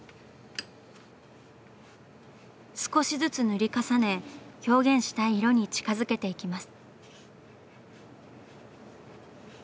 少しずつ塗り重ね表現したい色に近づけていきます。